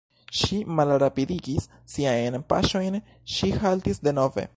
Ŝi malrapidigis siajn paŝojn, ŝi haltis denove.